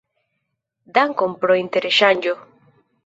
Dankon pro interŝanĝo!